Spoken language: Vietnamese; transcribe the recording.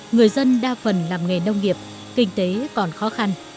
người dân đa phần làm nghề nông nghiệp kinh tế còn khó khăn